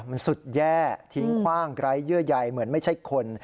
มันสุดแย่ทิ้งคว่างไร้เยื่อใยเหมือนไม่ใช่คน